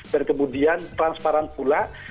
dan kemudian transparan pula